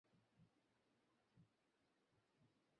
এ সময় রাস্তায় চলাচল করা একাধিক যানবাহন ও দোকান ভাঙচুর করেছেন তাঁরা।